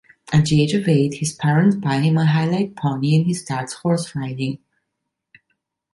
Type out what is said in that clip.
At the age of eight, his parents buy him a Highland pony and he starts horse riding.